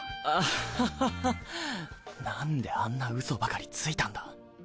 あはははなんであんなウソばかりついたんだ